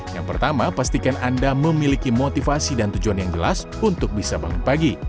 yang pertama pastikan anda memiliki motivasi dan tujuan yang jelas untuk bisa bangun pagi